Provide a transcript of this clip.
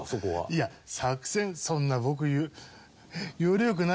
いや作戦そんな僕。